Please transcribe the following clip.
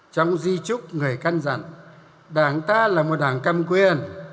trong di trúc người căn dặn đảng ta là một đảng cầm quyền